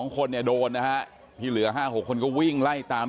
๒คนเนี่ยโดนนะฮะที่เหลือ๕๖คนก็วิ่งไล่ตาม